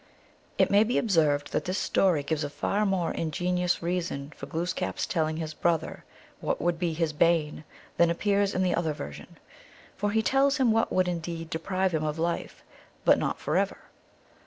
It may be observed that this story gives a far more ingenious reason for Glooskap s telling his brother what would be his bane than ap pears in the other version. For he tells him what would indeed deprive him of life, but not forever.